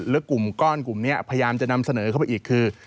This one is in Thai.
แล้วกลุ่มก้อนกลุ่มนี้พยายามจะนำเสนอเข้าไปอีกคือ